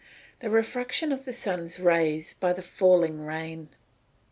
_ The refraction of the sun's rays by the falling rain.